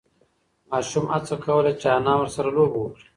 ماشوم هڅه کوله چې انا ورسره لوبه وکړي.